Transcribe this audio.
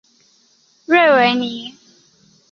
瑞维涅。